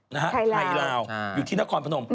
ไทยลาวอยู่ที่นครพนม